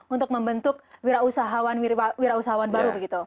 untuk membentuk wirausahawan baru begitu